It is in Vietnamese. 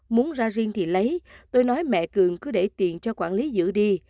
muốn ra riêng thì lấy tôi nói mẹ cường cứ để tiền cho quản lý giữ đi